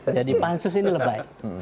jadi pansus ini lebay